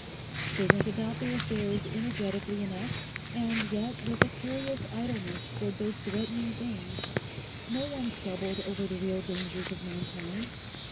They went about their affairs energetically enough and yet with a curious idleness towards those threatening things. No one troubled over the real dangers of mankind.